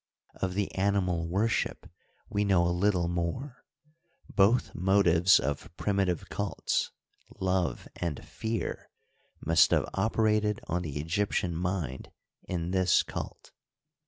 Of the animal worship we know a little more. Both motives of primitive cults, love and fear, must have operated on the Egyptian mind in this cult.